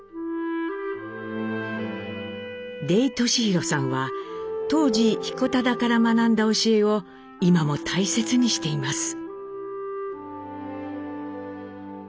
出井俊宏さんは当時彦忠から学んだ教えを今も大切にしています。